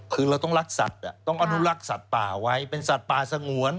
คือเราต้องรักสัตว์ต้องอนุรักษ์สัตว์ป่าไว้เป็นสัตว์ป่าสงวน